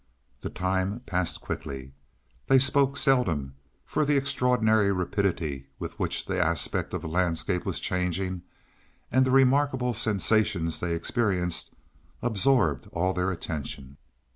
The time passed quickly. They spoke seldom, for the extraordinary rapidity with which the aspect of the landscape was changing, and the remarkable sensations they experienced, absorbed all their attention.